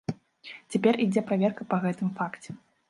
Цяпер ідзе праверка па гэтым факце.